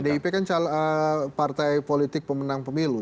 pdip kan partai politik pemenang pemilu